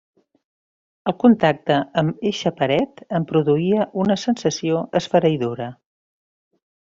El contacte amb eixa paret em produïa una sensació esfereïdora.